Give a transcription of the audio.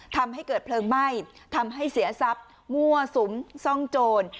ทำให้เกิดเพลิงไหม้ทำให้เสียทรัพย์มั่วสุมซ่องโจร